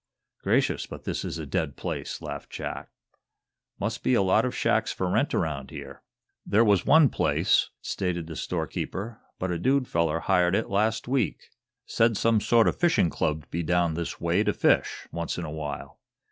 "Gracious, but this is a dead place," laughed Jack. "Must be a lot of shacks for rent around here?" "There was one place," stated the storekeeper, "but a dude feller hired it last week. Said some sort o' fishing club'd be down this way to fish, once in a while.